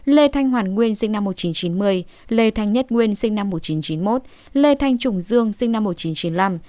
lê thanh hoàn nguyên sinh năm một nghìn chín trăm chín mươi lê thanh nhất nguyên sinh năm một nghìn chín trăm chín mươi một lê thanh trùng dương sinh năm một nghìn chín trăm chín mươi năm